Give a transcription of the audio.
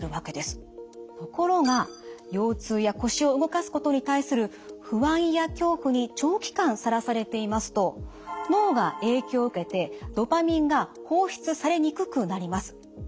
ところが腰痛や腰を動かすことに対する不安や恐怖に長期間さらされていますと脳が影響を受けてドパミンが放出されにくくなります。